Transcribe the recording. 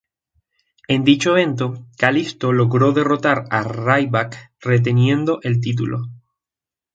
En dicho evento, Kalisto logró derrotar a Ryback reteniendo el título.